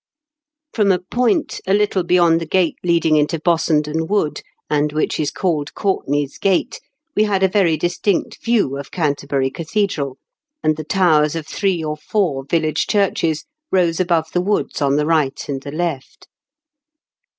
From a point a little beyond the gate leading into Bossenden Wood, and which is called Courtenay's Gate, we had a very distinct view of Canterbury Cathedral, and the towers of three or four village churches rose above the woods on the right and the left.